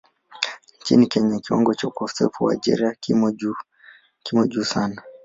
Nchini Kenya kiwango cha ukosefu wa ajira kimo juu sana.